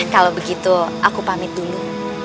kalau begitu aku pamit dulu